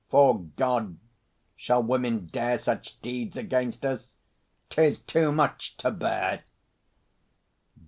'Fore God, shall women dare Such deeds against us? 'Tis too much to bear!